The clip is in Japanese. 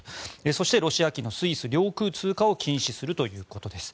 そして、ロシア機のスイス領空通過を禁止するというものです。